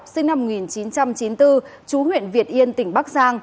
sinh năm một nghìn chín trăm chín mươi bốn chú huyện việt yên tỉnh bắc giang